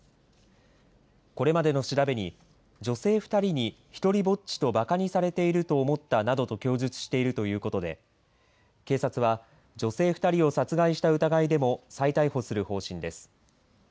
これまでの調べに女性２人に独りぼっちとバカにされているなどと思ったなどと供述しているということで警察は女性２人を殺害した疑いでも再逮捕する方針です。